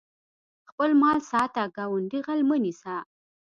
خپل مال ساته ګاونډي غل مه نیسه